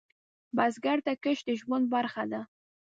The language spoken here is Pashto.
بزګر ته کښت د ژوند برخه ده